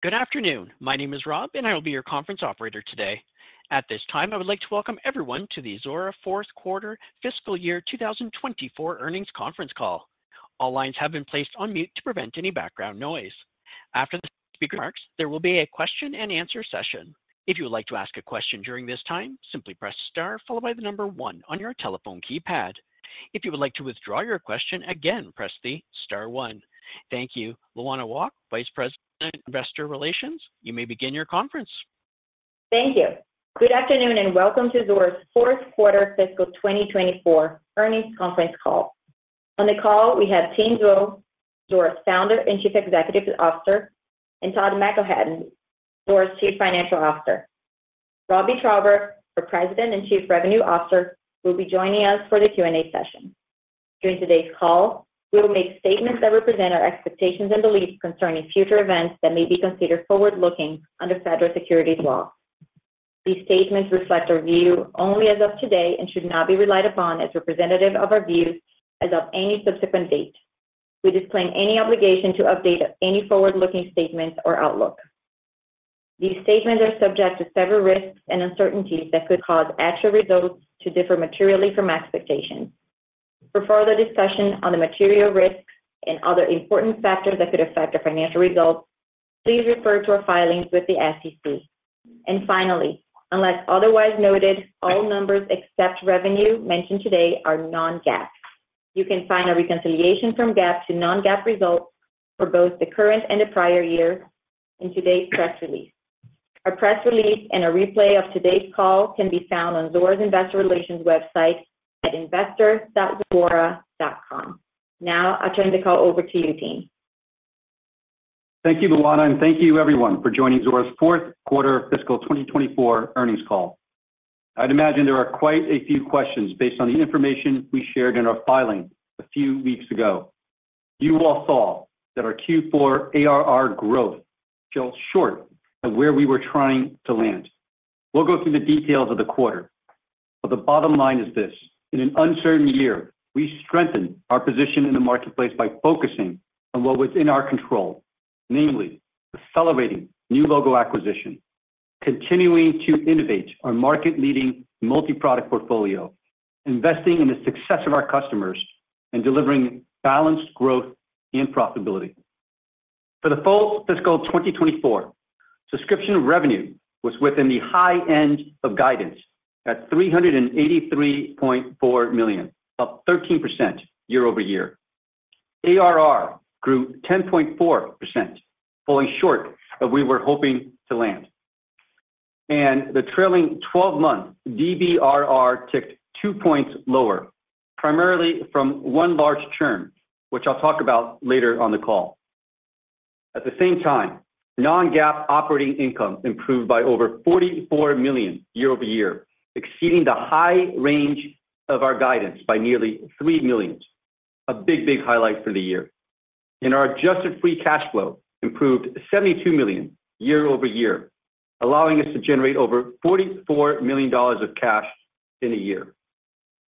Good afternoon. My name is Rob, and I will be your conference operator today. At this time, I would like to welcome everyone to the Zuora fourth quarter fiscal year 2024 earnings conference call. All lines have been placed on mute to prevent any background noise. After the speaker marks, there will be a question-and-answer session. If you would like to ask a question during this time, simply press star followed by the number one on your telephone keypad. If you would like to withdraw your question again, press the star one. Thank you. Luana Wolk, Vice President, Investor Relations, you may begin your conference. Thank you. Good afternoon, and welcome to Zuora's fourth quarter fiscal 2024 earnings conference call. On the call, we have Tien Tzuo, Zuora's Founder and Chief Executive Officer, and Todd McElhatton, Zuora's Chief Financial Officer. Robbie Traube, the President and Chief Revenue Officer, will be joining us for the Q&A session. During today's call, we will make statements that represent our expectations and beliefs concerning future events that may be considered forward-looking under federal securities law. These statements reflect our view only as of today and should not be relied upon as representative of our views as of any subsequent date. We disclaim any obligation to update any forward-looking statements or outlook. These statements are subject to several risks and uncertainties that could cause actual results to differ materially from expectations. For further discussion on the material risks and other important factors that could affect our financial results, please refer to our filings with the SEC. And finally, unless otherwise noted, all numbers except revenue mentioned today are non-GAAP. You can find a reconciliation from GAAP to non-GAAP results for both the current and the prior year in today's press release. Our press release and a replay of today's call can be found on Zuora's Investor Relations website at investor.zuora.com. Now I turn the call over to you, Tien. Thank you, Luana, and thank you everyone for joining Zuora's fourth quarter fiscal 2024 earnings call. I'd imagine there are quite a few questions based on the information we shared in our filing a few weeks ago. You all saw that our Q4 ARR growth fell short of where we were trying to land. We'll go through the details of the quarter, but the bottom line is this: In an uncertain year, we strengthened our position in the marketplace by focusing on what was in our control. Namely, celebrating new logo acquisition, continuing to innovate our market-leading multi-product portfolio, investing in the success of our customers, and delivering balanced growth and profitability. For the full fiscal 2024, subscription revenue was within the high end of guidance at $383.4 million, up 13% year-over-year. ARR grew 10.4%, falling short of we were hoping to land, and the trailing twelve-month DBRR ticked 2 points lower, primarily from one large churn, which I'll talk about later on the call. At the same time, non-GAAP operating income improved by over $44 million year-over-year, exceeding the high range of our guidance by nearly $3 million. A big, big highlight for the year. Our adjusted free cash flow improved $72 million year-over-year, allowing us to generate over $44 million of cash in a year.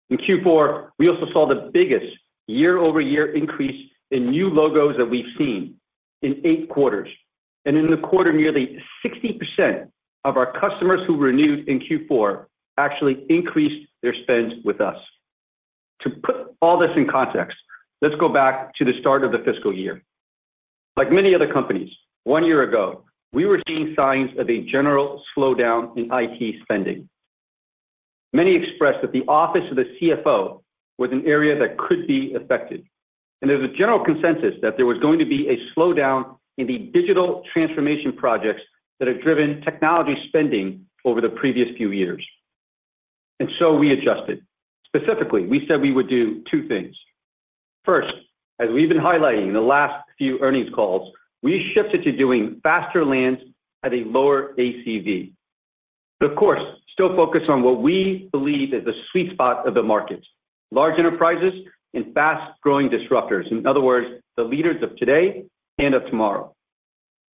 In Q4, we also saw the biggest year-over-year increase in new logos that we've seen in 8 quarters, and in the quarter, nearly 60% of our customers who renewed in Q4 actually increased their spend with us. To put all this in context, let's go back to the start of the fiscal year. Like many other companies, one year ago, we were seeing signs of a general slowdown in IT spending. Many expressed that the office of the CFO was an area that could be affected, and there was a general consensus that there was going to be a slowdown in the digital transformation projects that have driven technology spending over the previous few years. And so we adjusted. Specifically, we said we would do two things. First, as we've been highlighting in the last few earnings calls, we shifted to doing faster lands at a lower ACV, but of course, still focused on what we believe is the sweet spot of the markets, large enterprises and fast-growing disruptors. In other words, the leaders of today and of tomorrow.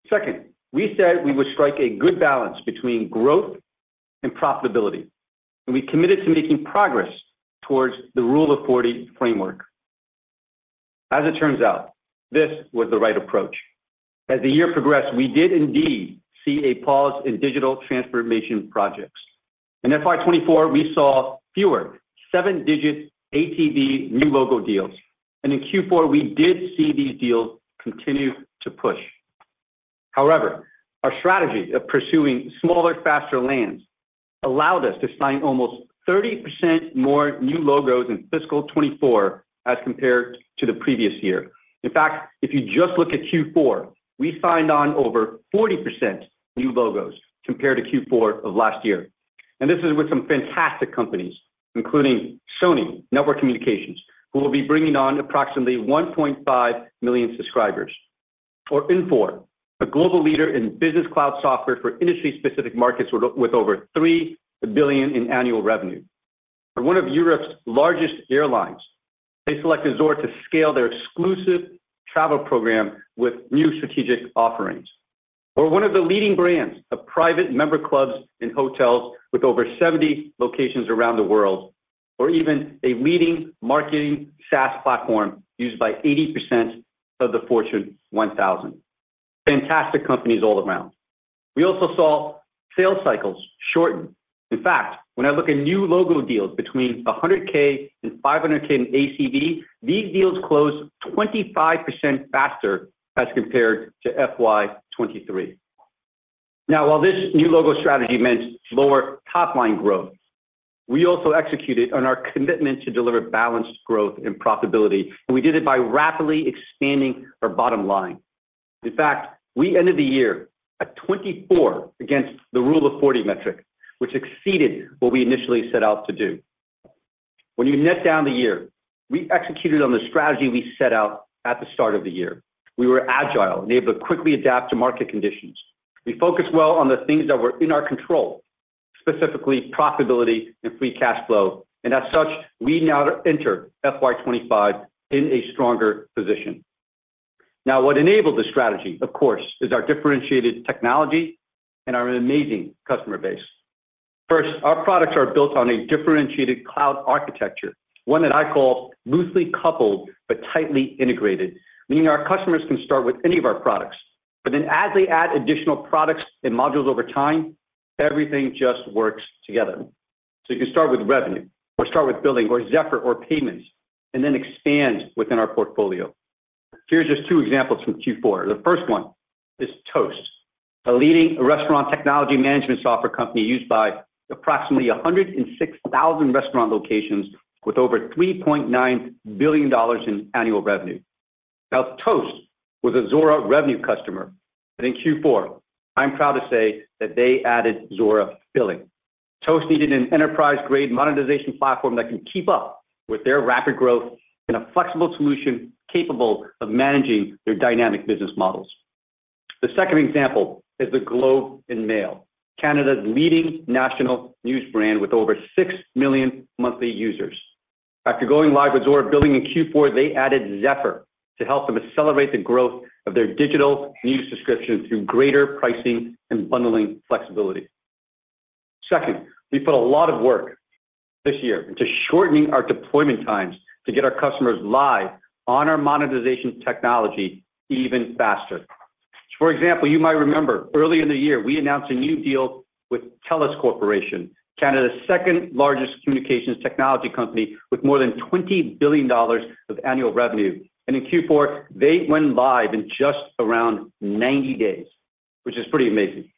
Second, we said we would strike a good balance between growth and profitability, and we committed to making progress towards the Rule of Forty framework. As it turns out, this was the right approach. As the year progressed, we did indeed see a pause in digital transformation projects. In FY 2024, we saw fewer 7-digit ACV new logo deals, and in Q4, we did see these deals continue to push. However, our strategy of pursuing smaller, faster lands allowed us to sign almost 30% more new logos in fiscal 2024 as compared to the previous year. In fact, if you just look at Q4, we signed on over 40% new logos compared to Q4 of last year. This is with some fantastic companies, including Sony Network Communications, who will be bringing on approximately 1.5 million subscribers, or Infor, a global leader in business cloud software for industry-specific markets with over $3 billion in annual revenue. For one of Europe's largest airlines, they selected Zuora to scale their exclusive travel program with new strategic offerings. For one of the leading brands of private member clubs and hotels with over 70 locations around the world, or even a leading marketing SaaS platform used by 80% of the Fortune 1,000. Fantastic companies all around. We also saw sales cycles shorten. In fact, when I look at new logo deals between $100K and $500K in ACV, these deals closed 25% faster as compared to FY 2023. Now, while this new logo strategy meant lower top-line growth, we also executed on our commitment to deliver balanced growth and profitability, and we did it by rapidly expanding our bottom line. In fact, we ended the year at 24 against the Rule of 40 metric, which exceeded what we initially set out to do. When you net down the year, we executed on the strategy we set out at the start of the year. We were agile and able to quickly adapt to market conditions. We focused well on the things that were in our control, specifically profitability and free cash flow, and as such, we now enter FY 2025 in a stronger position. Now, what enabled the strategy, of course, is our differentiated technology and our amazing customer base. First, our products are built on a differentiated cloud architecture, one that I call loosely coupled but tightly integrated, meaning our customers can start with any of our products, but then as they add additional products and modules over time, everything just works together. So you can start with revenue, or start with building or Zephr or payments, and then expand within our portfolio. Here's just two examples from Q4. The first one is Toast, a leading restaurant technology management software company used by approximately 106,000 restaurant locations with over $3.9 billion in annual revenue. Now, Toast was a Zuora Revenue customer, and in Q4, I'm proud to say that they added Zuora Billing. Toast needed an enterprise-grade monetization platform that can keep up with their rapid growth and a flexible solution capable of managing their dynamic business models. The second example is The Globe and Mail, Canada's leading national news brand, with over 6 million monthly users. After going live with Zuora Billing in Q4, they added Zephr to help them accelerate the growth of their digital news subscription through greater pricing and bundling flexibility. Second, we put a lot of work this year into shortening our deployment times to get our customers live on our monetization technology even faster. For example, you might remember earlier in the year, we announced a new deal with TELUS Corporation, Canada's second-largest communications technology company, with more than $20 billion of annual revenue. And in Q4, they went live in just around 90 days, which is pretty amazing.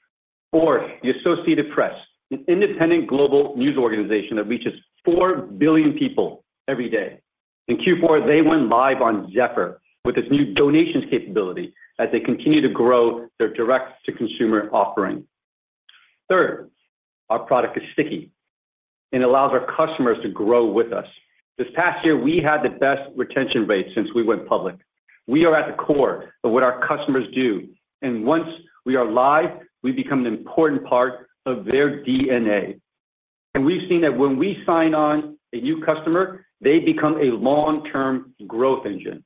Or the Associated Press, an independent global news organization that reaches 4 billion people every day. In Q4, they went live on Zephr with its new donations capability as they continue to grow their direct-to-consumer offering. Third, our product is sticky and allows our customers to grow with us. This past year, we had the best retention rate since we went public. We are at the core of what our customers do, and once we are live, we become an important part of their DNA. And we've seen that when we sign on a new customer, they become a long-term growth engine.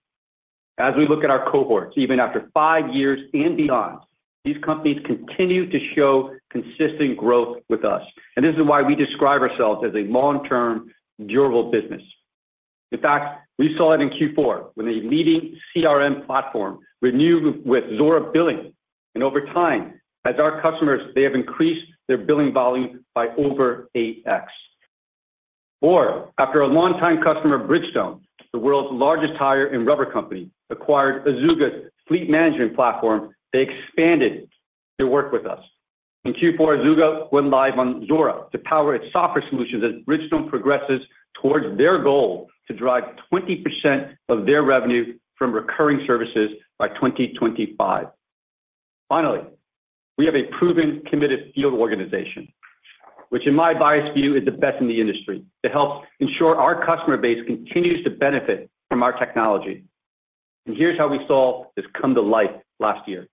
As we look at our cohorts, even after five years and beyond, these companies continue to show consistent growth with us, and this is why we describe ourselves as a long-term, durable business. In fact, we saw it in Q4 when a leading CRM platform renewed with Zuora Billing, and over time, as our customers, they have increased their billing volume by over 8x. Or after a long-time customer, Bridgestone, the world's largest tire and rubber company, acquired Azuga's fleet management platform, they expanded their work with us. In Q4, Azuga went live on Zuora to power its software solutions as Bridgestone progresses towards their goal to drive 20% of their revenue from recurring services by 2025. Finally, we have a proven, committed field organization, which, in my biased view, is the best in the industry. It helps ensure our customer base continues to benefit from our technology. Here's how we saw this come to light last year.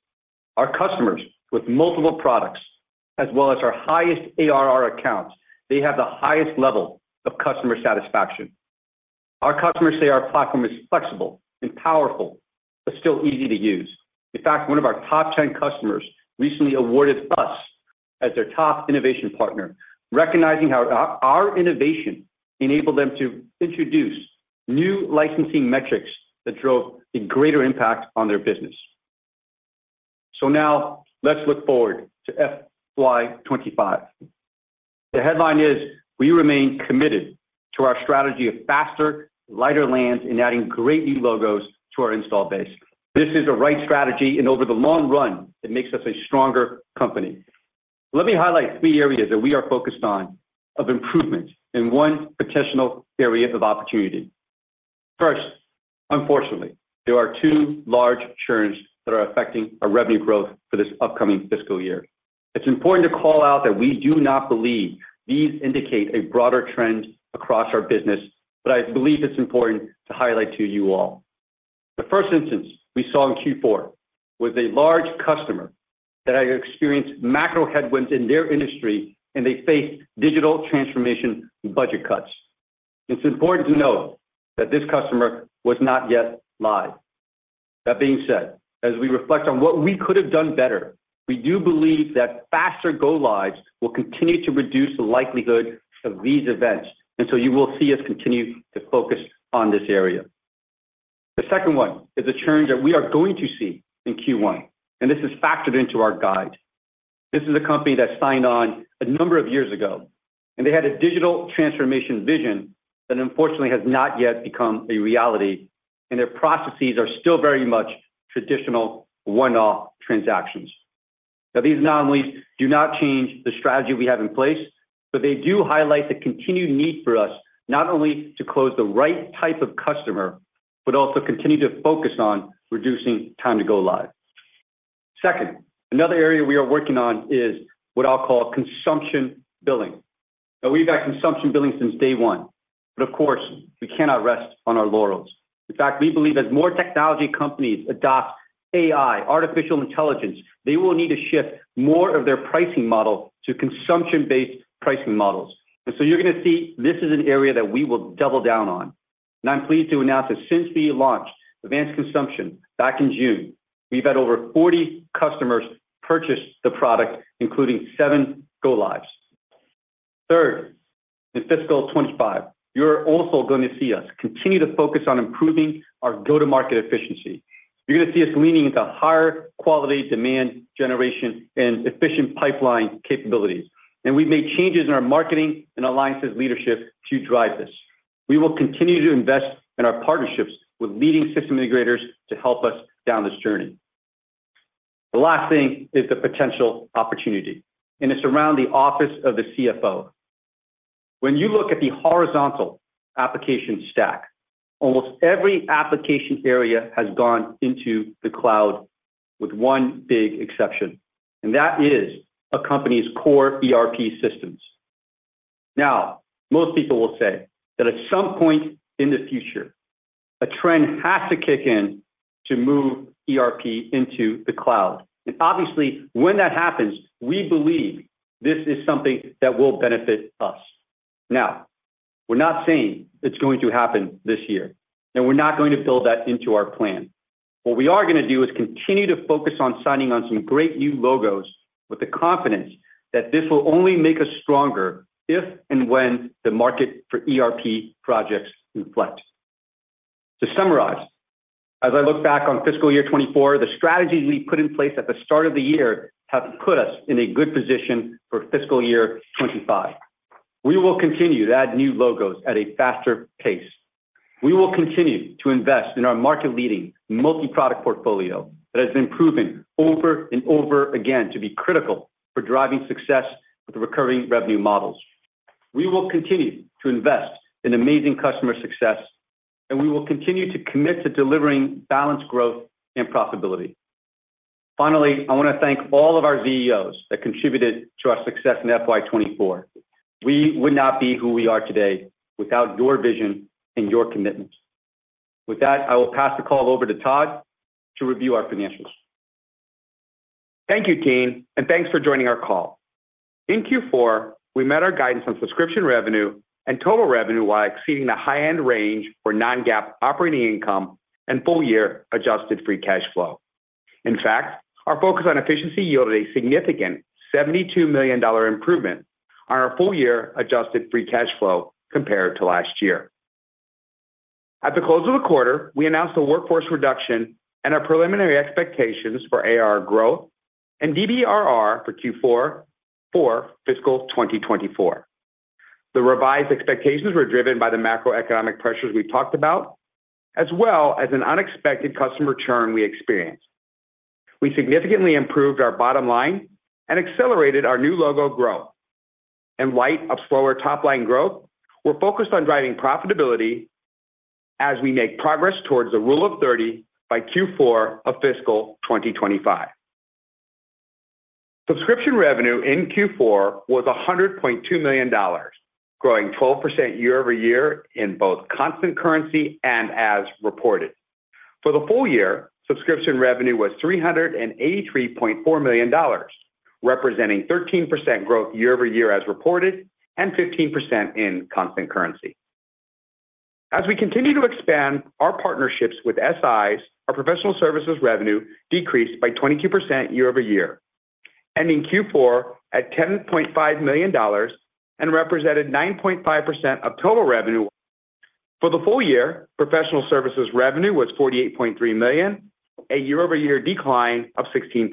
Our customers with multiple products, as well as our highest ARR accounts, they have the highest level of customer satisfaction. Our customers say our platform is flexible and powerful, but still easy to use. In fact, one of our top 10 customers recently awarded us as their top innovation partner, recognizing how our, our innovation enabled them to introduce new licensing metrics that drove a greater impact on their business. So now let's look forward to FY 25. The headline is we remain committed to our strategy of faster, lighter lands and adding great new logos to our install base. This is the right strategy, and over the long run, it makes us a stronger company. Let me highlight three areas that we are focused on of improvement and one potential area of opportunity. First, unfortunately, there are two large churns that are affecting our revenue growth for this upcoming fiscal year. It's important to call out that we do not believe these indicate a broader trend across our business, but I believe it's important to highlight to you all. The first instance we saw in Q4 was a large customer that had experienced macro headwinds in their industry, and they faced digital transformation budget cuts. It's important to note that this customer was not yet live.... That being said, as we reflect on what we could have done better, we do believe that faster go-lives will continue to reduce the likelihood of these events, and so you will see us continue to focus on this area. The second one is a churn that we are going to see in Q1, and this is factored into our guide. This is a company that signed on a number of years ago, and they had a digital transformation vision that unfortunately has not yet become a reality, and their processes are still very much traditional one-off transactions. Now, these anomalies do not change the strategy we have in place, but they do highlight the continued need for us, not only to close the right type of customer, but also continue to focus on reducing time to go live. Second, another area we are working on is what I'll call consumption billing. Now, we've had consumption billing since day one, but of course, we cannot rest on our laurels. In fact, we believe as more technology companies adopt AI, artificial intelligence, they will need to shift more of their pricing model to consumption-based pricing models. And so you're gonna see this is an area that we will double down on. I'm pleased to announce that since we launched Advanced Consumption back in June, we've had over 40 customers purchase the product, including seven go-lives. Third, in fiscal 2025, you're also going to see us continue to focus on improving our go-to-market efficiency. You're gonna see us leaning into higher quality demand generation and efficient pipeline capabilities, and we've made changes in our marketing and alliances leadership to drive this. We will continue to invest in our partnerships with leading system integrators to help us down this journey. The last thing is the potential opportunity, and it's around the office of the CFO. When you look at the horizontal application stack, almost every application area has gone into the cloud with one big exception, and that is a company's core ERP systems. Now, most people will say that at some point in the future, a trend has to kick in to move ERP into the cloud. And obviously, when that happens, we believe this is something that will benefit us. Now, we're not saying it's going to happen this year, and we're not going to build that into our plan. What we are gonna do is continue to focus on signing on some great new logos with the confidence that this will only make us stronger if and when the market for ERP projects inflect. To summarize, as I look back on fiscal year 2024, the strategies we put in place at the start of the year have put us in a good position for fiscal year 2025. We will continue to add new logos at a faster pace. We will continue to invest in our market-leading, multi-product portfolio that has been proven over and over again to be critical for driving success with the recurring revenue models. We will continue to invest in amazing customer success, and we will continue to commit to delivering balanced growth and profitability. Finally, I wanna thank all of our ZEOs that contributed to our success in FY 2024. We would not be who we are today without your vision and your commitment. With that, I will pass the call over to Todd to review our financials. Thank you, Tien, and thanks for joining our call. In Q4, we met our guidance on subscription revenue and total revenue, while exceeding the high-end range for Non-GAAP operating income and full-year adjusted free cash flow. In fact, our focus on efficiency yielded a significant $72 million improvement on our full-year adjusted free cash flow compared to last year. At the close of the quarter, we announced a workforce reduction and our preliminary expectations for AR growth and DBRR for Q4 for fiscal 2024. The revised expectations were driven by the macroeconomic pressures we talked about, as well as an unexpected customer churn we experienced. We significantly improved our bottom line and accelerated our new logo growth. In light of slower top-line growth, we're focused on driving profitability as we make progress towards the Rule of 30 by Q4 of fiscal 2025. Subscription revenue in Q4 was $100.2 million, growing 12% year-over-year in both constant currency and as reported. For the full year, subscription revenue was $383.4 million, representing 13% growth year-over-year as reported, and 15% in constant currency. As we continue to expand our partnerships with SIs, our professional services revenue decreased by 22% year-over-year, ending Q4 at $10.5 million and represented 9.5% of total revenue. For the full year, professional services revenue was $48.3 million, a year-over-year decline of 16%.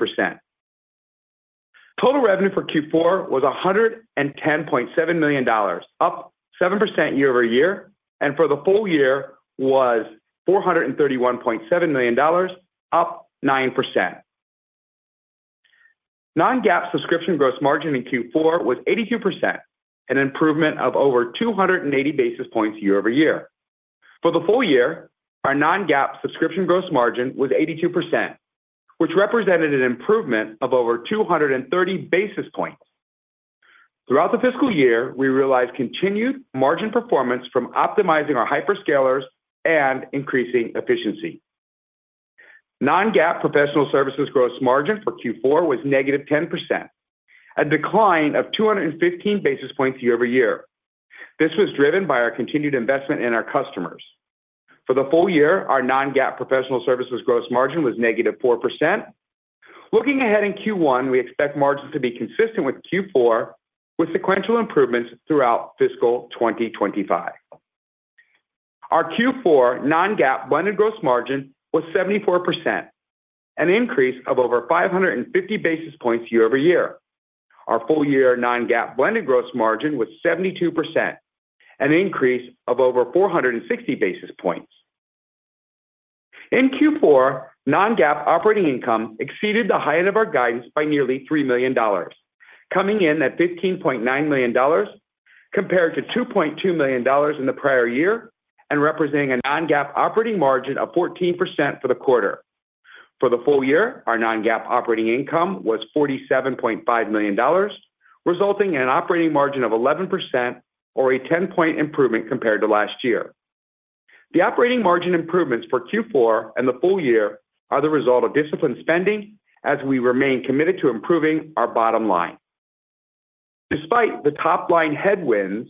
Total revenue for Q4 was $110.7 million, up 7% year-over-year, and for the full year was $431.7 million, up 9%. Non-GAAP subscription gross margin in Q4 was 82%, an improvement of over 280 basis points year-over-year. For the full year, our Non-GAAP subscription gross margin was 82%, which represented an improvement of over 230 basis points. Throughout the fiscal year, we realized continued margin performance from optimizing our hyperscalers and increasing efficiency. Non-GAAP professional services gross margin for Q4 was -10%, a decline of 215 basis points year-over-year. This was driven by our continued investment in our customers. For the full year, our Non-GAAP professional services gross margin was -4%. Looking ahead in Q1, we expect margins to be consistent with Q4, with sequential improvements throughout fiscal 2025. Our Q4 Non-GAAP blended gross margin was 74%, an increase of over 550 basis points year-over-year. Our full-year non-GAAP blended gross margin was 72%, an increase of over 460 basis points. In Q4, non-GAAP operating income exceeded the height of our guidance by nearly $3 million, coming in at $15.9 million, compared to $2.2 million in the prior year, and representing a non-GAAP operating margin of 14% for the quarter. For the full year, our non-GAAP operating income was $47.5 million, resulting in an operating margin of 11% or a 10-point improvement compared to last year. The operating margin improvements for Q4 and the full year are the result of disciplined spending as we remain committed to improving our bottom line. Despite the top-line headwinds,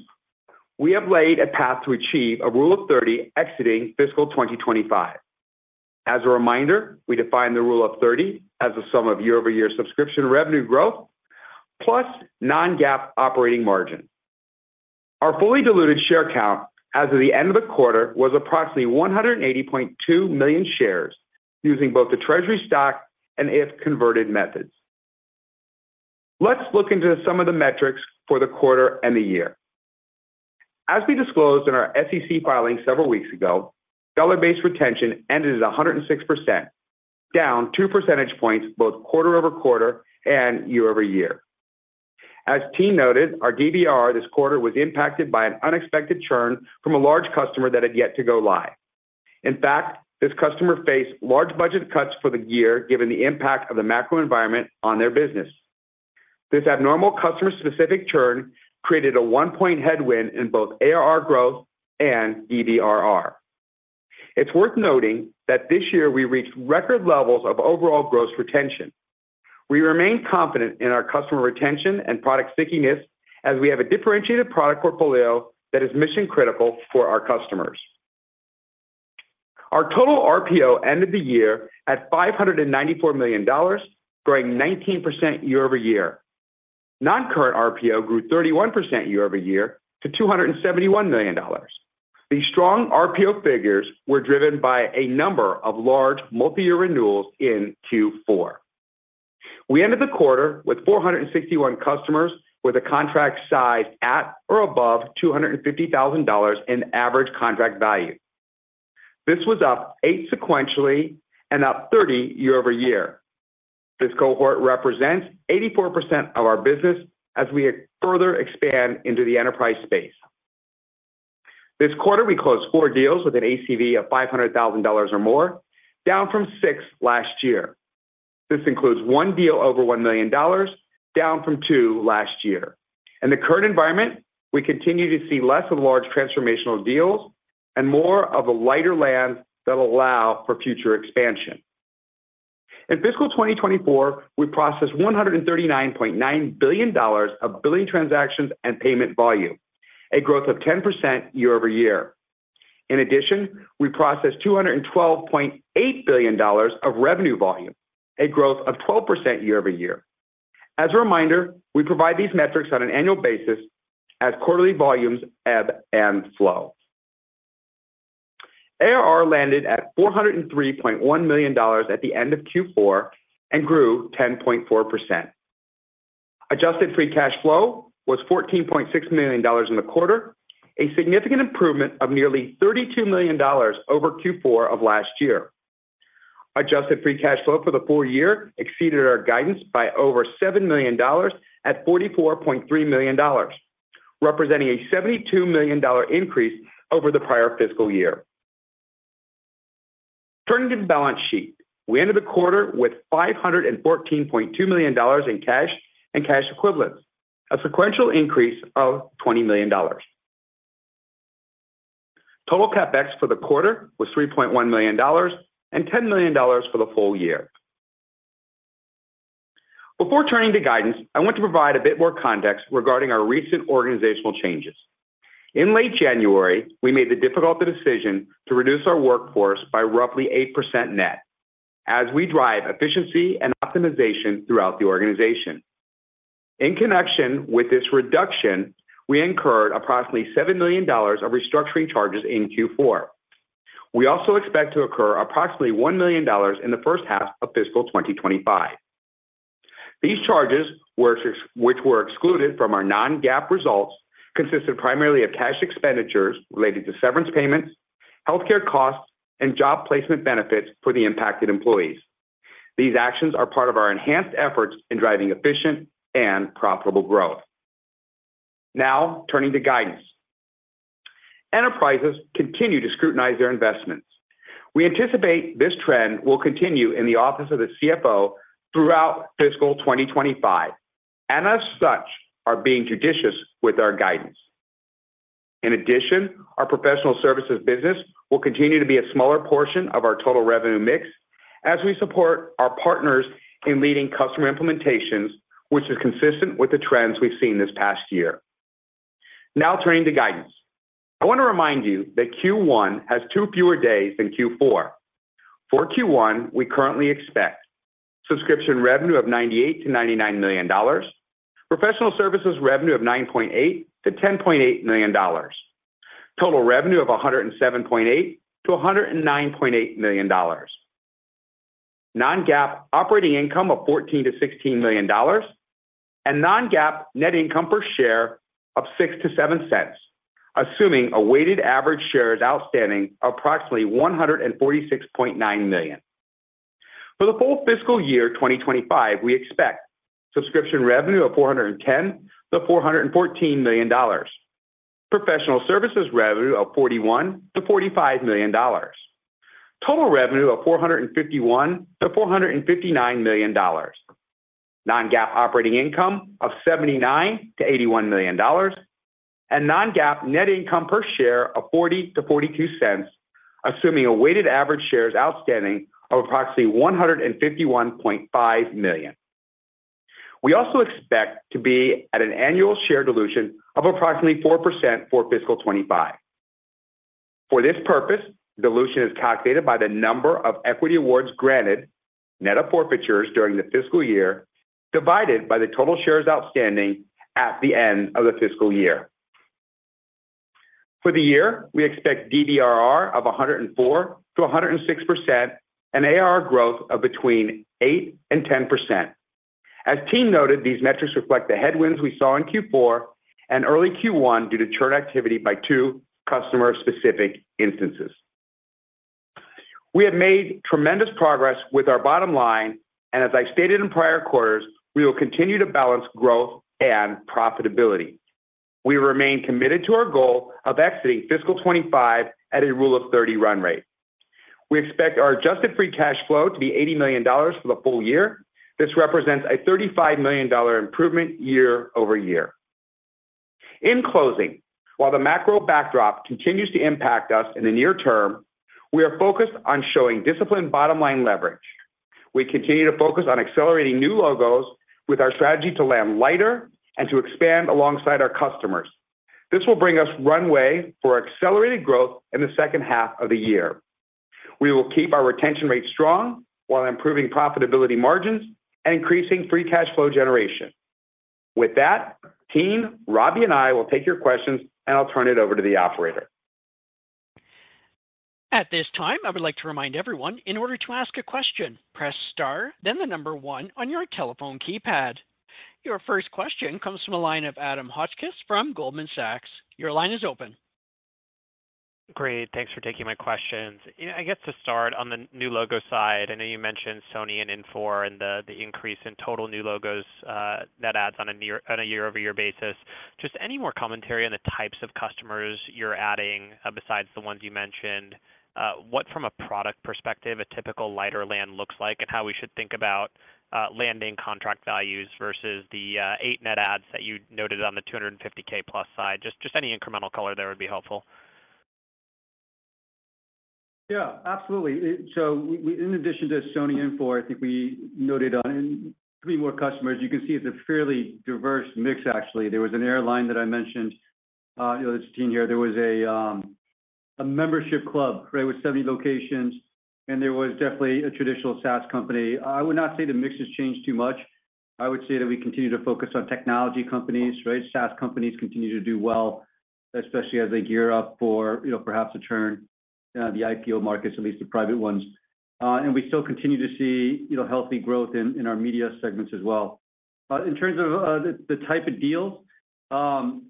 we have laid a path to achieve a rule of 30 exiting fiscal 2025. As a reminder, we define the rule of thirty as the sum of year-over-year subscription revenue growth, plus non-GAAP operating margin. Our fully diluted share count as of the end of the quarter was approximately 180.2 million shares, using both the treasury stock and if converted methods. Let's look into some of the metrics for the quarter and the year. As we disclosed in our SEC filing several weeks ago, dollar-based retention ended at 106%, down 2 percentage points, both quarter-over-quarter and year-over-year. As Tien noted, our DBR this quarter was impacted by an unexpected churn from a large customer that had yet to go live. In fact, this customer faced large budget cuts for the year, given the impact of the macro environment on their business. This abnormal customer-specific churn created a 1-point headwind in both ARR growth and DBRR. It's worth noting that this year we reached record levels of overall gross retention. We remain confident in our customer retention and product stickiness as we have a differentiated product portfolio that is mission-critical for our customers. Our total RPO ended the year at $594 million, growing 19% year-over-year. Non-current RPO grew 31% year-over-year to $271 million. These strong RPO figures were driven by a number of large multi-year renewals in Q4. We ended the quarter with 461 customers with a contract size at or above $250,000 in average contract value. This was up 8 sequentially and up 30 year-over-year. This cohort represents 84% of our business as we further expand into the enterprise space. This quarter, we closed 4 deals with an ACV of $500,000 or more, down from 6 last year. This includes 1 deal over $1 million, down from 2 last year. In the current environment, we continue to see less of large transformational deals and more of a lighter land that allow for future expansion. In fiscal 2024, we processed $139.9 billion of billing transactions and payment volume, a growth of 10% year-over-year. In addition, we processed $212.8 billion of revenue volume, a growth of 12% year-over-year. As a reminder, we provide these metrics on an annual basis as quarterly volumes ebb and flow. ARR landed at $403.1 million at the end of Q4 and grew 10.4%. Adjusted free cash flow was $14.6 million in the quarter, a significant improvement of nearly $32 million over Q4 of last year. Adjusted free cash flow for the full year exceeded our guidance by over $7 million at $44.3 million, representing a $72 million dollar increase over the prior fiscal year. Turning to the balance sheet, we ended the quarter with $514.2 million in cash and cash equivalents, a sequential increase of $20 million. Total CapEx for the quarter was $3.1 million and $10 million for the full year. Before turning to guidance, I want to provide a bit more context regarding our recent organizational changes. In late January, we made the difficult decision to reduce our workforce by roughly 8% net as we drive efficiency and optimization throughout the organization. In connection with this reduction, we incurred approximately $7 million of restructuring charges in Q4. We also expect to occur approximately $1 million in the first half of fiscal 2025. These charges, which were excluded from our non-GAAP results, consist primarily of cash expenditures related to severance payments, healthcare costs, and job placement benefits for the impacted employees. These actions are part of our enhanced efforts in driving efficient and profitable growth. Now, turning to guidance. Enterprises continue to scrutinize their investments. We anticipate this trend will continue in the office of the CFO throughout fiscal 2025, and as such, are being judicious with our guidance. In addition, our professional services business will continue to be a smaller portion of our total revenue mix, as we support our partners in leading customer implementations, which is consistent with the trends we've seen this past year. Now, turning to guidance. I want to remind you that Q1 has 2 fewer days than Q4. For Q1, we currently expect subscription revenue of $98 million-$99 million, professional services revenue of $9.8 million-$10.8 million, total revenue of $107.8 million-$109.8 million, non-GAAP operating income of $14 million-$16 million, and non-GAAP net income per share of $0.06-$0.07, assuming a weighted average shares outstanding of approximately 146.9 million. For the full fiscal year 2025, we expect subscription revenue of $410 million-$414 million, professional services revenue of $41 million-$45 million, total revenue of $451 million-$459 million, non-GAAP operating income of $79 million-$81 million, and non-GAAP net income per share of $0.40-$0.42, assuming a weighted average shares outstanding of approximately 151.5 million. We also expect to be at an annual share dilution of approximately 4% for fiscal 2025. For this purpose, dilution is calculated by the number of equity awards granted, net of forfeitures during the fiscal year, divided by the total shares outstanding at the end of the fiscal year. For the year, we expect DBRR of 104%-106% and ARR growth of between 8% and 10%. As team noted, these metrics reflect the headwinds we saw in Q4 and early Q1 due to churn activity by two customer-specific instances. We have made tremendous progress with our bottom line, and as I stated in prior quarters, we will continue to balance growth and profitability. We remain committed to our goal of exiting fiscal 2025 at a rule of thirty run rate. We expect our adjusted free cash flow to be $80 million for the full year. This represents a $35 million dollar improvement year-over-year. In closing, while the macro backdrop continues to impact us in the near term, we are focused on showing disciplined bottom-line leverage. We continue to focus on accelerating new logos with our strategy to land lighter and to expand alongside our customers. This will bring us runway for accelerated growth in the second half of the year. We will keep our retention rate strong while improving profitability margins and increasing free cash flow generation. With that, team, Robbie and I will take your questions, and I'll turn it over to the operator. At this time, I would like to remind everyone, in order to ask a question, press Star, then the number one on your telephone keypad. Your first question comes from the line of Adam Hotchkiss from Goldman Sachs. Your line is open. Great, thanks for taking my questions. You know, I guess to start on the new logo side, I know you mentioned Sony and Infor and the increase in total new logos, net adds on a year-over-year basis. Just any more commentary on the types of customers you're adding, besides the ones you mentioned? What from a product perspective, a typical light land looks like and how we should think about, landing contract values versus the, eight net adds that you noted on the $250K+ side? Just any incremental color there would be helpful. Yeah, absolutely. It so we, we, in addition to Sony, Infor, I think we noted on three more customers. You can see it's a fairly diverse mix, actually. There was an airline that I mentioned, you know, it's team here. There was a membership club, right, with 70 locations, and there was definitely a traditional SaaS company. I would not say the mix has changed too much. I would say that we continue to focus on technology companies, right? SaaS companies continue to do well, especially as they gear up for, you know, perhaps a turn in the IPO markets, at least the private ones. And we still continue to see healthy growth in our media segments as well. In terms of the type of deal, you know,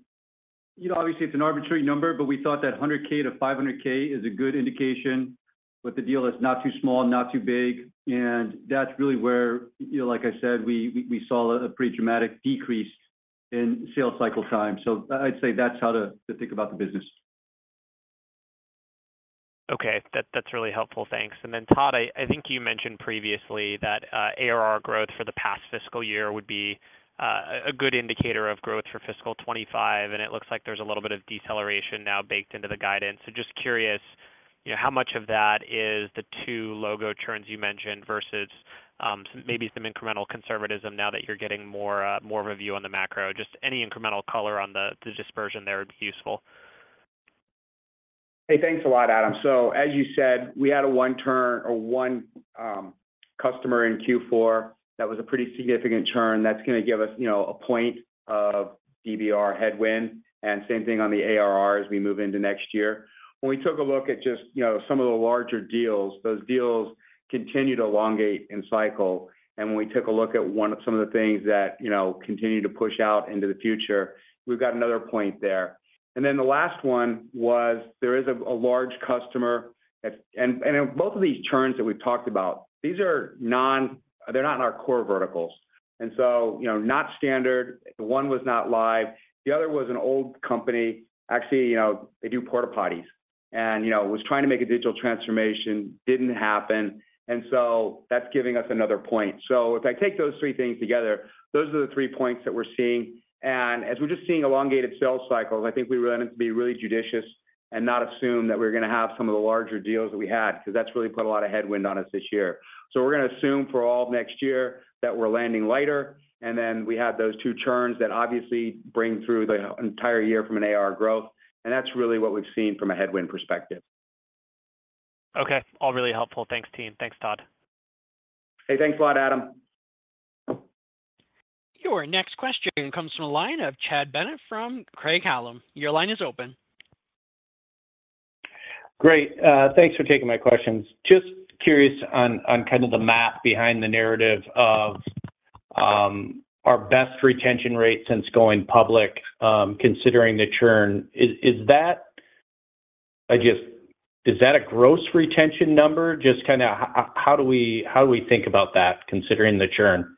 obviously it's an arbitrary number, but we thought that 100K-500K is a good indication, but the deal is not too small, not too big. And that's really where, you know, like I said, we saw a pretty dramatic decrease in sales cycle time. So I'd say that's how to think about the business. Okay. That's really helpful. Thanks. And then, Todd, I think you mentioned previously that ARR growth for the past fiscal year would be a good indicator of growth for fiscal 25, and it looks like there's a little bit of deceleration now baked into the guidance. So just curious, you know, how much of that is the two logo churns you mentioned versus maybe some incremental conservatism now that you're getting more of a view on the macro? Just any incremental color on the dispersion there would be useful. Hey, thanks a lot, Adam. So as you said, we had a one turn or one customer in Q4. That was a pretty significant churn. That's gonna give us, you know, a point of DBR headwind, and same thing on the ARR as we move into next year. When we took a look at just, you know, some of the larger deals, those deals continue to elongate in cycle, and when we took a look at one, some of the things that, you know, continue to push out into the future, we've got another point there. And then the last one was, there is a large customer that... And both of these churns that we've talked about, these are non, they're not in our core verticals, and so, you know, not standard. One was not live, the other was an old company. Actually, you know, they do porta potties and, you know, was trying to make a digital transformation, didn't happen, and so that's giving us another point. So if I take those three things together, those are the three points that we're seeing. And as we're just seeing elongated sales cycles, I think we want to be really judicious and not assume that we're gonna have some of the larger deals that we had, because that's really put a lot of headwind on us this year. So we're gonna assume for all of next year that we're landing lighter, and then we have those two churns that obviously bring through the entire year from an AR growth, and that's really what we've seen from a headwind perspective. Okay, all really helpful. Thanks, team. Thanks, Todd. Hey, thanks a lot, Adam. Your next question comes from the line of Chad Bennett from Craig-Hallum. Your line is open. Great. Thanks for taking my questions. Just curious on kind of the math behind the narrative of our best retention rate since going public, considering the churn. Is that a gross retention number? Just kinda how do we think about that considering the churn?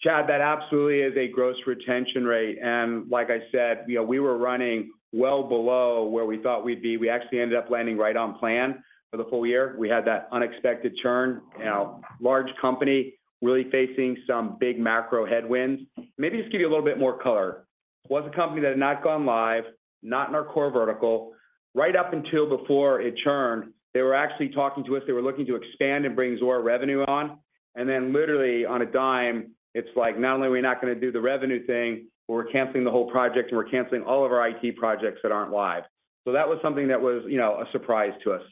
Chad, that absolutely is a gross retention rate, and like I said, you know, we were running well below where we thought we'd be. We actually ended up landing right on plan for the whole year. We had that unexpected churn. You know, large company, really facing some big macro headwinds. Maybe just give you a little bit more color. Was a company that had not gone live, not in our core vertical. Right up until before it churned, they were actually talking to us. They were looking to expand and bring Zuora Revenue on, and then literally on a dime, it's like, not only are we not gonna do the revenue thing, but we're canceling the whole project, and we're canceling all of our IT projects that aren't live. So that was something that was, you know, a surprise to us.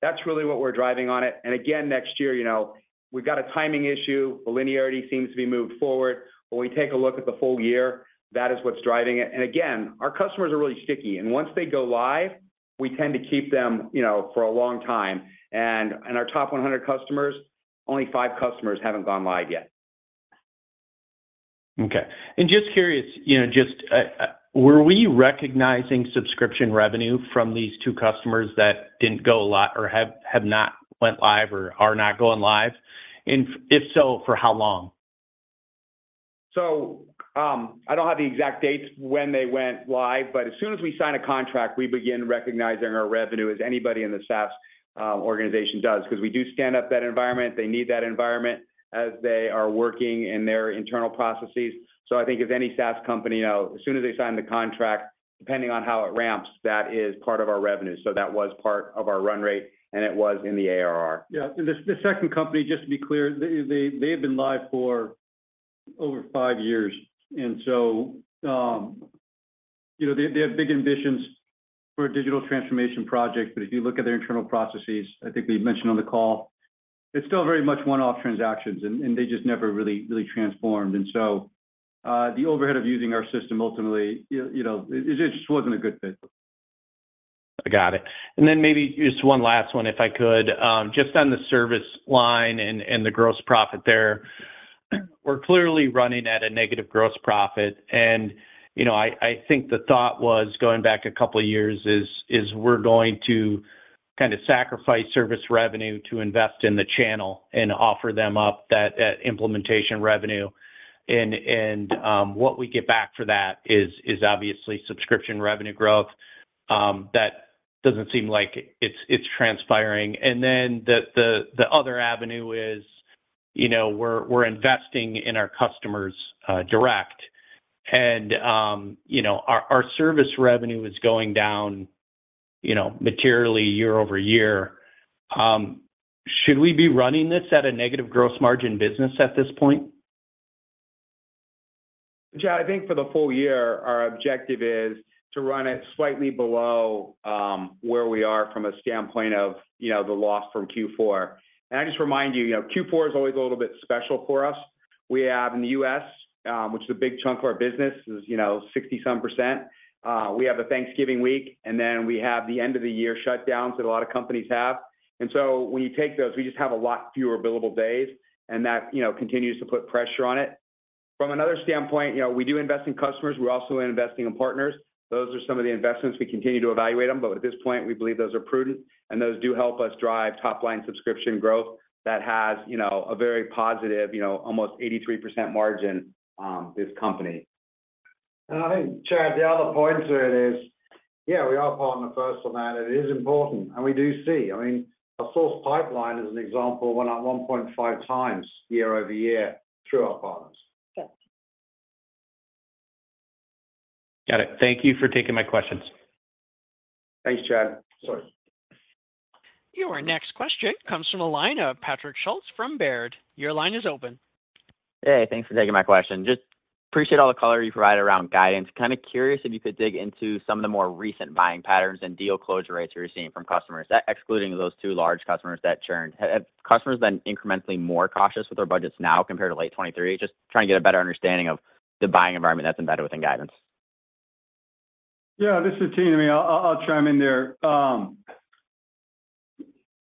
That's really what we're driving on it, and again, next year, you know, we've got a timing issue. The linearity seems to be moved forward. When we take a look at the full year, that is what's driving it. And again, our customers are really sticky, and once they go live, we tend to keep them, you know, for a long time. And our top 100 customers, only five customers haven't gone live yet. Okay. And just curious, you know, just, were we recognizing subscription revenue from these two customers that didn't go live or have not went live or are not going live? And if so, for how long? So, I don't have the exact dates when they went live, but as soon as we sign a contract, we begin recognizing our revenue as anybody in the SaaS organization does, 'cause we do stand up that environment. They need that environment as they are working in their internal processes. So I think as any SaaS company, you know, as soon as they sign the contract, depending on how it ramps, that is part of our revenue. So that was part of our run rate, and it was in the ARR. Yeah, and the second company, just to be clear, they have been live for over five years. And so, you know, they have big ambitions for a digital transformation project, but if you look at their internal processes, I think we mentioned on the call, it's still very much one-off transactions, and they just never really transformed. And so, the overhead of using our system, ultimately, you know, it just wasn't a good fit. I got it. And then maybe just one last one, if I could. Just on the service line and the gross profit there, we're clearly running at a negative gross profit. And, you know, I think the thought was, going back a couple of years, we're going to kind of sacrifice service revenue to invest in the channel and offer them up that implementation revenue. And what we get back for that is obviously subscription revenue growth. That doesn't seem like it's transpiring. And then the other avenue is, you know, we're investing in our customers' direct. And you know, our service revenue is going down, you know, materially year over year. Should we be running this at a negative gross margin business at this point? Chad, I think for the full year, our objective is to run it slightly below where we are from a standpoint of, you know, the loss from Q4. And I just remind you, you know, Q4 is always a little bit special for us. We have in the U.S., which is a big chunk of our business, is, you know, 60-some%. We have a Thanksgiving week, and then we have the end-of-the-year shutdowns that a lot of companies have. And so when you take those, we just have a lot fewer billable days, and that, you know, continues to put pressure on it. From another standpoint, you know, we do invest in customers. We're also investing in partners. Those are some of the investments. We continue to evaluate them, but at this point, we believe those are prudent, and those do help us drive top-line subscription growth that has, you know, a very positive, you know, almost 83% margin, this company. I think, Chad, the other point to it is, yeah, we are partner first on that, and it is important, and we do see. I mean, our source pipeline is an example, we're now 1.5 times year-over-year through our partners. Got it. Thank you for taking my questions. Thanks, Chad. Sorry. Your next question comes from the line of Patrick Schultz from Baird. Your line is open. Hey, thanks for taking my question. Just appreciate all the color you provided around guidance. Kind of curious if you could dig into some of the more recent buying patterns and deal closure rates you're seeing from customers, excluding those two large customers that churned. Have customers been incrementally more cautious with their budgets now compared to late 2023? Just trying to get a better understanding of the buying environment that's embedded within guidance. Yeah, this is Tina. Me, I'll chime in there.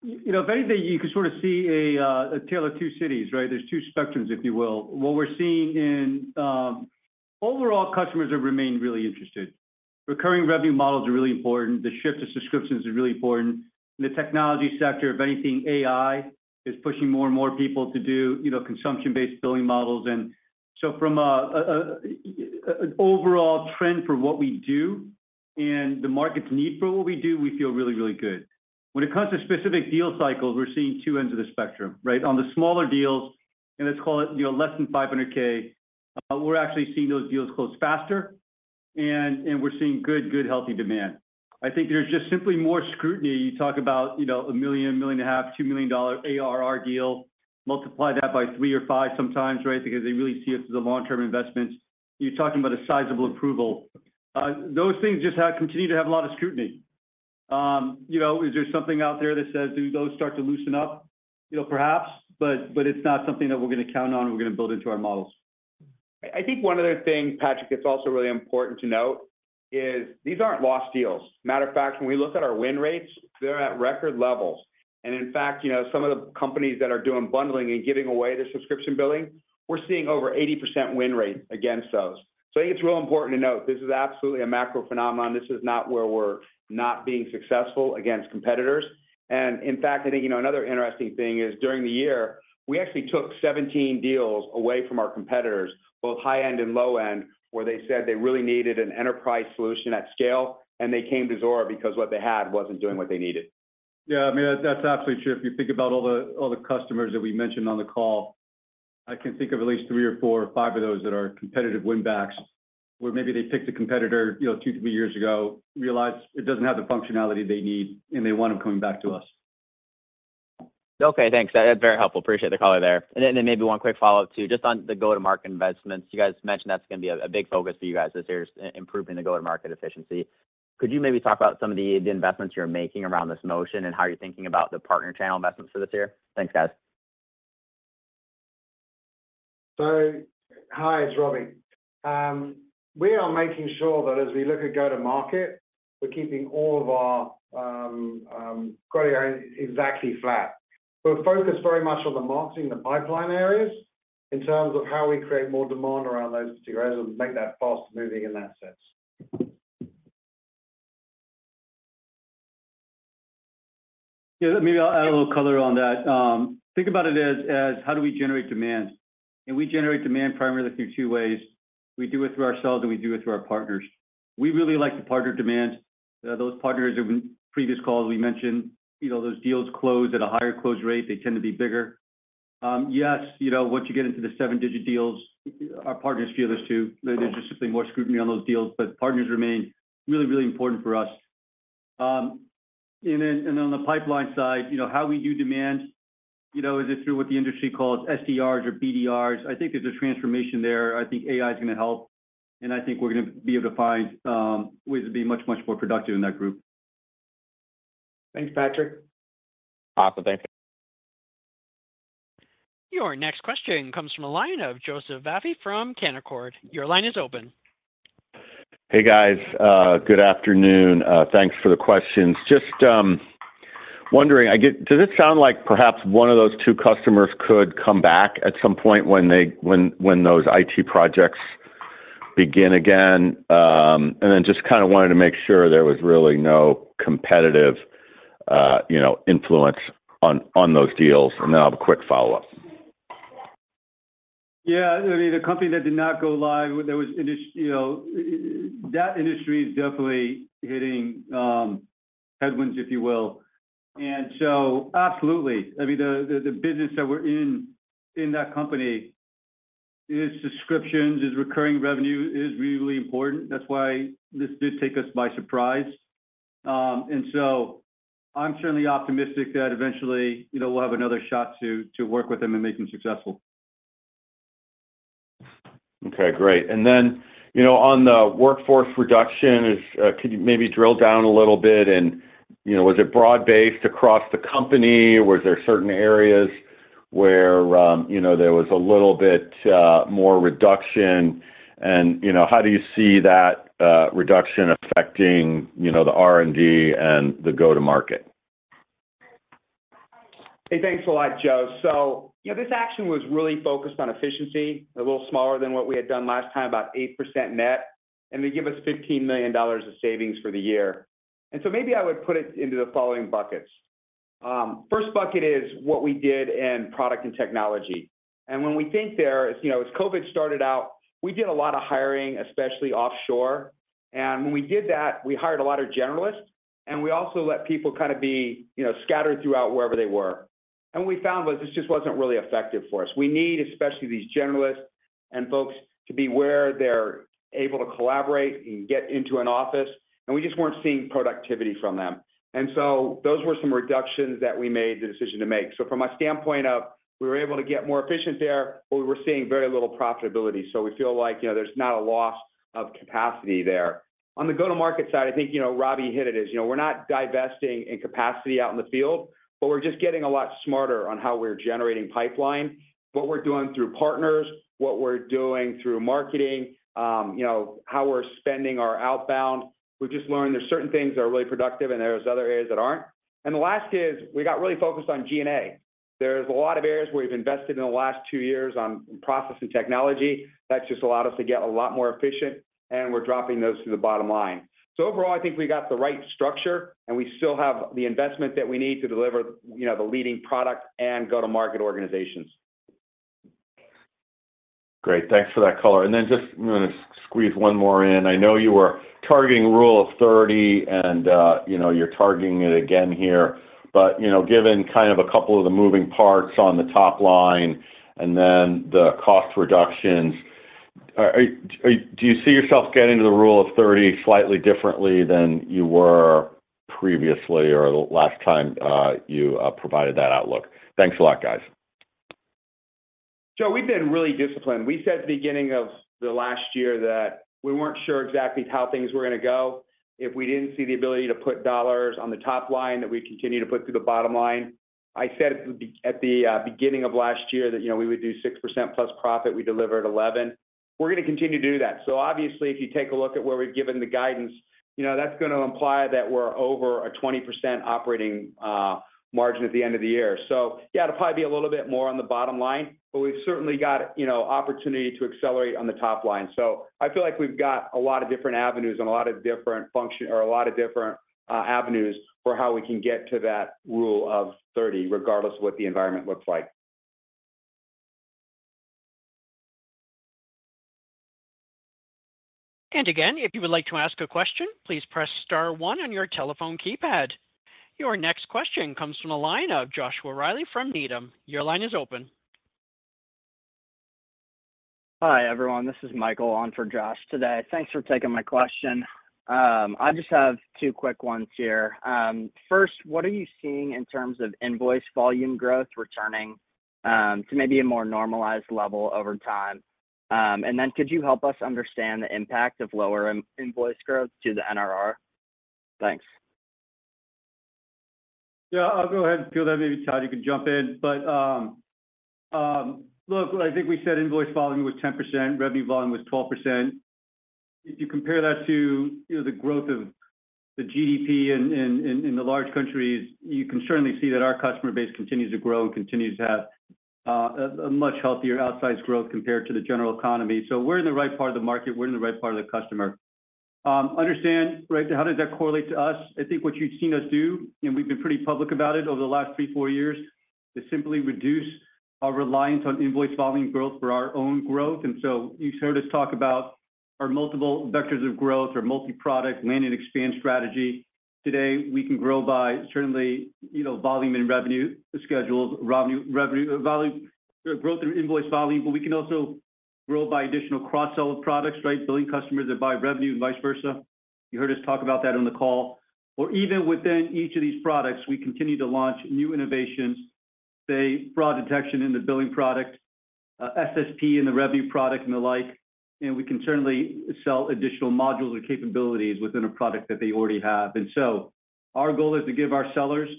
You know, if anything, you can sort of see a tale of two cities, right? There's two spectrums, if you will. What we're seeing in. Overall, customers have remained really interested. Recurring revenue models are really important. The shift to subscriptions is really important. In the technology sector, if anything, AI is pushing more and more people to do, you know, consumption-based billing models. And so from a overall trend for what we do and the market's need for what we do, we feel really, really good. When it comes to specific deal cycles, we're seeing two ends of the spectrum, right? On the smaller deals, and let's call it, you know, less than $500K, we're actually seeing those deals close faster, and we're seeing good healthy demand. I think there's just simply more scrutiny. You talk about, you know, a $1 million, $1.5 million, $2 million ARR deal, multiply that by three or five sometimes, right? Because they really see it as a long-term investment. You're talking about a sizable approval. Those things just have continued to have a lot of scrutiny. You know, is there something out there that says, do those start to loosen up? You know, perhaps, but, but it's not something that we're gonna count on, or we're gonna build into our models. I think one other thing, Patrick, that's also really important to note is these aren't lost deals. Matter of fact, when we look at our win rates, they're at record levels. In fact, you know, some of the companies that are doing bundling and giving away the subscription billing, we're seeing over 80% win rate against those. So I think it's real important to note, this is absolutely a macro phenomenon. This is not where we're not being successful against competitors. In fact, I think, you know, another interesting thing is, during the year, we actually took 17 deals away from our competitors, both high-end and low-end, where they said they really needed an enterprise solution at scale, and they came to Zuora because what they had wasn't doing what they needed. Yeah, I mean, that's absolutely true. If you think about all the, all the customers that we mentioned on the call, I can think of at least three or four or five of those that are competitive win backs, where maybe they picked a competitor, you know, two, three years ago, realized it doesn't have the functionality they need, and they want them coming back to us. Okay, thanks. That's very helpful. Appreciate the color there. And then maybe one quick follow-up too, just on the go-to-market investments. You guys mentioned that's gonna be a big focus for you guys this year, is improving the go-to-market efficiency. Could you maybe talk about some of the investments you're making around this motion, and how you're thinking about the partner channel investments for this year? Thanks, guys. So hi, it's Robbie. We are making sure that as we look at go-to-market, we're keeping all of our, G&A exactly flat. We're focused very much on the marketing, the pipeline areas, in terms of how we create more demand around those particular areas and make that fast-moving in that sense. Yeah, maybe I'll add a little color on that. Think about it as how do we generate demand? We generate demand primarily through two ways: We do it through ourselves, and we do it through our partners. We really like the partner demand. Those partners, in previous calls we mentioned, you know, those deals close at a higher close rate. They tend to be bigger. Yes, you know, once you get into the seven-digit deals, our partners feel this too. There's just simply more scrutiny on those deals, but partners remain really, really important for us. And then on the pipeline side, you know, how we do demand, you know, is it through what the industry calls SDRs or BDRs? I think there's a transformation there. I think AI is gonna help, and I think we're gonna be able to find ways to be much, much more productive in that group. Thanks, Patrick. Awesome. Thanks. Your next question comes from the line of Joseph Vafi from Canaccord. Your line is open. Hey, guys, good afternoon. Thanks for the questions. Just wondering, does it sound like perhaps one of those two customers could come back at some point when they... when those IT projects begin again? And then just kinda wanted to make sure there was really no competitive, you know, influence on those deals, and then I'll have a quick follow-up. Yeah, I mean, the company that did not go live, there was industry—you know, that industry is definitely hitting headwinds, if you will. And so absolutely. I mean, the business that we're in, in that company is subscriptions, is recurring revenue, is really important. That's why this did take us by surprise. And so I'm certainly optimistic that eventually, you know, we'll have another shot to work with them and make them successful. Okay, great. And then, you know, on the workforce reduction is, could you maybe drill down a little bit and, you know, was it broad-based across the company? Was there certain areas where, you know, there was a little bit, more reduction? And, you know, how do you see that, reduction affecting, you know, the R&D and the go-to-market? Hey, thanks a lot, Joe. So, you know, this action was really focused on efficiency, a little smaller than what we had done last time, about 8% net, and they give us $15 million of savings for the year. So maybe I would put it into the following buckets. First bucket is what we did in product and technology. And when we think there, as you know, as COVID started out, we did a lot of hiring, especially offshore. And when we did that, we hired a lot of generalists, and we also let people kinda be, you know, scattered throughout wherever they were. And we found was this just wasn't really effective for us. We need, especially these generalists and folks, to be where they're able to collaborate and get into an office, and we just weren't seeing productivity from them. And so those were some reductions that we made, the decision to make. So from a standpoint of, we were able to get more efficient there, but we were seeing very little profitability. So we feel like, you know, there's not a loss of capacity there. On the go-to-market side, I think, you know, Robbie hit it as, you know, we're not divesting in capacity out in the field, but we're just getting a lot smarter on how we're generating pipeline, what we're doing through partners, what we're doing through marketing, you know, how we're spending our outbound. We've just learned there's certain things that are really productive and there's other areas that aren't. And the last is, we got really focused on G&A. There's a lot of areas where we've invested in the last two years on process and technology, that's just allowed us to get a lot more efficient, and we're dropping those to the bottom line. So overall, I think we got the right structure, and we still have the investment that we need to deliver, you know, the leading product and go-to-market organizations. ... Great, thanks for that color. And then just I'm gonna squeeze one more in. I know you were targeting rule of thirty, and you know, you're targeting it again here, but you know, given kind of a couple of the moving parts on the top line, and then the cost reductions, are do you see yourself getting to the rule of thirty slightly differently than you were previously or the last time you provided that outlook? Thanks a lot, guys. So we've been really disciplined. We said at the beginning of the last year that we weren't sure exactly how things were gonna go. If we didn't see the ability to put dollars on the top line, that we continue to put to the bottom line. I said at the beginning of last year that, you know, we would do 6% plus profit, we delivered 11. We're gonna continue to do that. So obviously, if you take a look at where we've given the guidance, you know, that's gonna imply that we're over a 20% operating margin at the end of the year. So yeah, it'll probably be a little bit more on the bottom line, but we've certainly got, you know, opportunity to accelerate on the top line. So I feel like we've got a lot of different avenues and a lot of different avenues for how we can get to that rule of thirty, regardless of what the environment looks like. And again, if you would like to ask a question, please press star one on your telephone keypad. Your next question comes from the line of Joshua Reilly from Needham. Your line is open. Hi, everyone, this is Michael on for Josh today. Thanks for taking my question. I just have two quick ones here. First, what are you seeing in terms of invoice volume growth returning to maybe a more normalized level over time? And then could you help us understand the impact of lower invoice growth to the NRR? Thanks. Yeah, I'll go ahead and field that. Maybe, Todd, you can jump in. But, look, I think we said invoice volume was 10%, revenue volume was 12%. If you compare that to, you know, the growth of the GDP in the large countries, you can certainly see that our customer base continues to grow and continues to have a much healthier outsized growth compared to the general economy. So we're in the right part of the market, we're in the right part of the customer. Understand, right, how does that correlate to us? I think what you've seen us do, and we've been pretty public about it over the last three, four years, is simply reduce our reliance on invoice volume growth for our own growth. And so you've heard us talk about our multiple vectors of growth, our multi-product land and expand strategy. Today, we can grow by certainly, you know, volume and revenue schedules, revenue volume growth in invoice volume, but we can also grow by additional cross-sell of products, right? Billing customers that buy revenue, and vice versa. You heard us talk about that on the call. Or even within each of these products, we continue to launch new innovations, say, fraud detection in the billing product, SSP in the revenue product and the like. And we can certainly sell additional modules or capabilities within a product that they already have. And so our goal is to give our sellers,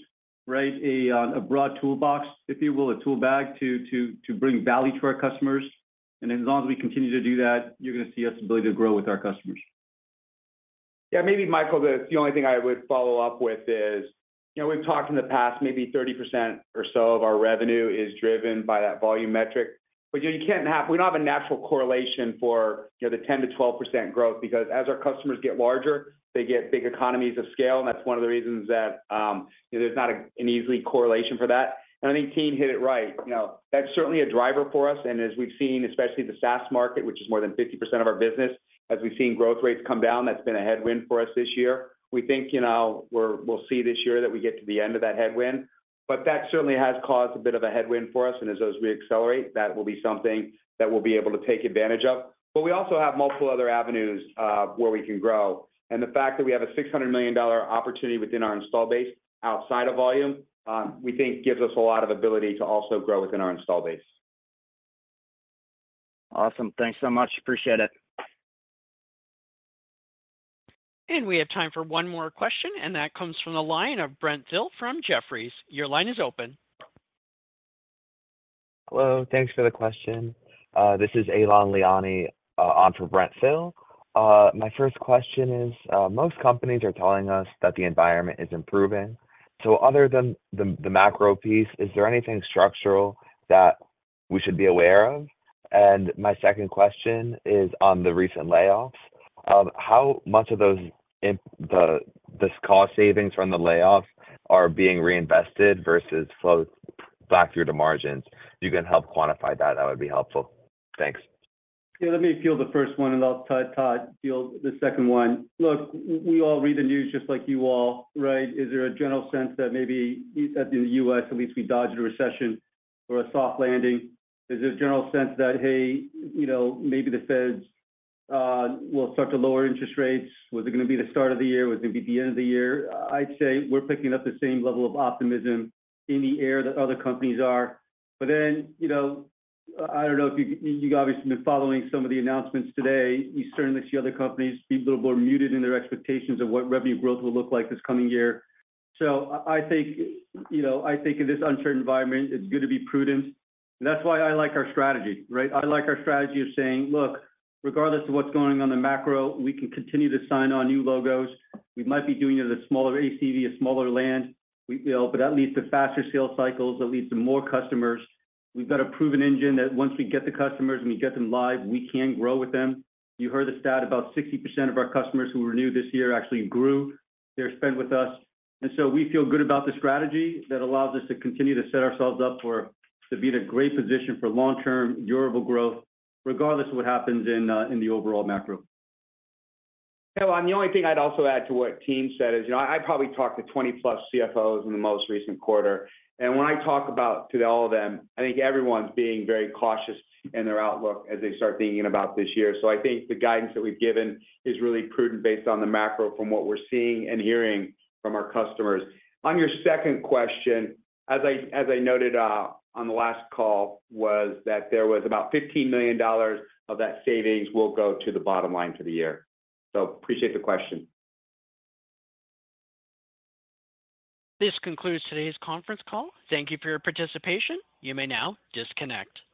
right, a broad toolbox, if you will, a tool bag, to bring value to our customers. As long as we continue to do that, you're gonna see our ability to grow with our customers. Yeah, maybe, Michael, the only thing I would follow up with is, you know, we've talked in the past, maybe 30% or so of our revenue is driven by that volume metric. But, you know, we don't have a natural correlation for, you know, the 10%-12% growth, because as our customers get larger, they get big economies of scale, and that's one of the reasons that, you know, there's not an easy correlation for that. And I think team hit it right. You know, that's certainly a driver for us. And as we've seen, especially the SaaS market, which is more than 50% of our business, as we've seen growth rates come down, that's been a headwind for us this year. We think, you know, we'll see this year that we get to the end of that headwind, but that certainly has caused a bit of a headwind for us, and as those we accelerate, that will be something that we'll be able to take advantage of. But we also have multiple other avenues where we can grow. And the fact that we have a $600 million opportunity within our install base outside of volume, we think gives us a lot of ability to also grow within our install base. Awesome. Thanks so much. Appreciate it. We have time for one more question, and that comes from the line of Brent Thill from Jefferies. Your line is open. Hello, thanks for the question. This is Eylon Liani on for Brent Thill. My first question is, most companies are telling us that the environment is improving. So other than the macro piece, is there anything structural that we should be aware of? And my second question is on the recent layoffs. How much of those, the cost savings from the layoffs are being reinvested versus flowed back through the margins? If you can help quantify that, that would be helpful. Thanks. Yeah, let me field the first one, and I'll let Todd field the second one. Look, we all read the news just like you all, right? Is there a general sense that maybe, in the U.S., at least we dodged a recession or a soft landing? Is there a general sense that, hey, you know, maybe the Feds will start to lower interest rates? Was it gonna be the start of the year? Was it gonna be the end of the year? I'd say we're picking up the same level of optimism in the air that other companies are. But then, you know, I don't know if you... You've obviously been following some of the announcements today. You certainly see other companies, people are more muted in their expectations of what revenue growth will look like this coming year. So I think, you know, I think in this uncertain environment, it's good to be prudent. That's why I like our strategy, right? I like our strategy of saying, "Look, regardless of what's going on in the macro, we can continue to sign on new logos. We might be doing it at a smaller ACV, a smaller land, we, you know, but that leads to faster sales cycles, that leads to more customers." We've got a proven engine that once we get the customers and we get them live, we can grow with them. You heard the stat, about 60% of our customers who renewed this year actually grew their spend with us. So we feel good about the strategy that allows us to continue to set ourselves up for, to be in a great position for long-term, durable growth, regardless of what happens in the overall macro. Hello, and the only thing I'd also add to what Tien said is, you know, I probably talked to 20+ CFOs in the most recent quarter, and when I talk about to all of them, I think everyone's being very cautious in their outlook as they start thinking about this year. So I think the guidance that we've given is really prudent based on the macro from what we're seeing and hearing from our customers. On your second question, as I noted on the last call, was that there was about $15 million of that savings will go to the bottom line for the year. So appreciate the question. This concludes today's conference call. Thank you for your participation. You may now disconnect.